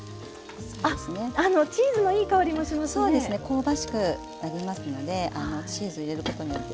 香ばしくなりますのでチーズ入れることによって。